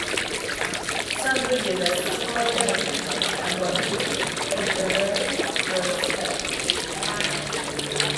Some bridges are single lane and were built corduroy road style.